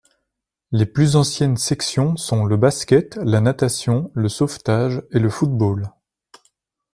Les plus anciennes sections sont le basket, la natation, le sauvetage, et le football.